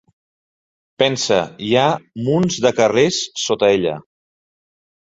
Pensa, hi ha munts de carrers sota ella!